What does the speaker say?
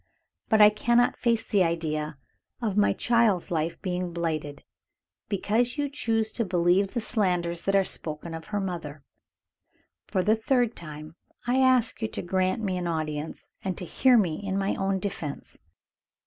But I cannot face the idea of my child's life being blighted, because you choose to believe the slanders that are spoken of her mother. For the third time I ask you to grant me an audience, and to hear me in my own defense."